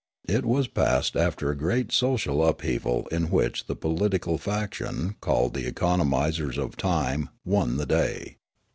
It was passed after a great social upheaval in which the political faction called The Economisers of Time won the day.